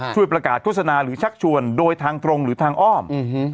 ช่วยประกาศโฆษณาหรือชักชวนโดยทางตรงหรือทางอ้อม